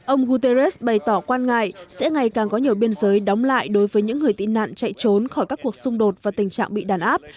ông guterres bày tỏ quan ngại sẽ ngày càng có nhiều biên giới đóng lại đối với những người tị nạn chạy trốn khỏi các cuộc xung đột và tình trạng bị đàn áp